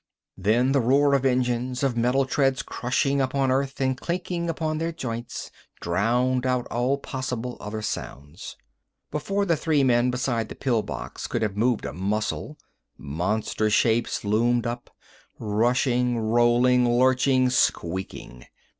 Then the roar of engines, of metal treads crushing upon earth and clinking upon their joints, drowned out all possible other sounds. Before the three men beside the pill box could have moved a muscle, monster shapes loomed up, rushing, rolling, lurching, squeaking.